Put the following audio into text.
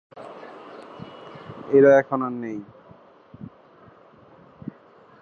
এরা এখন আর নেই।